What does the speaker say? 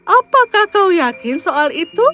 apakah kau yakin soal itu